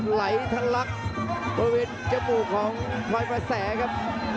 ไหลทะลักประวิดจมูกของพวัยภาษาแสครับ